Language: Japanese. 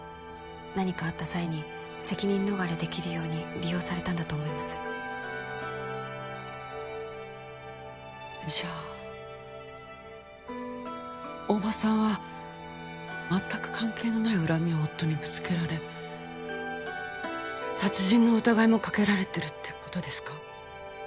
何かあった際に責任逃れできるように利用されたんだと思いますじゃあ大庭さんは全く関係のない恨みを夫にぶつけられ殺人の疑いもかけられてるってことですか？